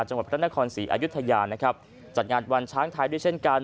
จังหวัดพระนครศรีอายุทยานะครับจัดงานวันช้างไทยด้วยเช่นกัน